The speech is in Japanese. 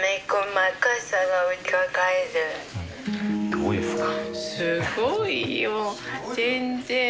・どうですか？